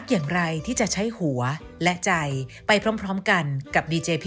สวัสดีค่ะ